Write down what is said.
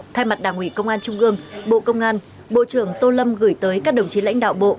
thay mặt đảng ủy công an trung ương bộ công an bộ trưởng tô lâm gửi tới các đồng chí lãnh đạo bộ